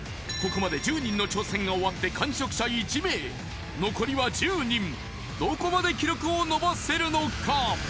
ここまで１０人の挑戦が終わって完食者１名残りは１０人どこまで記録を伸ばせるのか？